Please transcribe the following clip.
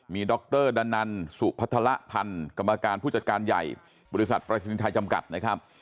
ดรดันนันสุพัฒระพันธ์กรรมการผู้จัดการใหญ่บริษัทปรายศนีย์ไทยจำกัดนะครับ